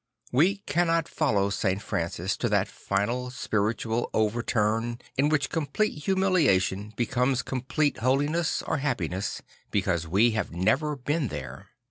We cannot follow St Francis to that final spiritual overturn in which complete humiliation becomes complete holiness or happiness, because we have never been there.